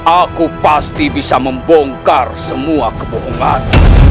aku pasti bisa membongkar semua kebohongan